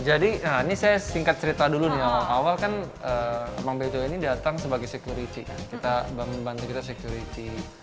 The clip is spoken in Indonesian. jadi ini saya singkat cerita dulu nih awal awal kan emang beto ini datang sebagai security membantu kita security